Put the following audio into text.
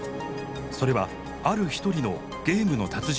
それはある一人のゲームの達人でした。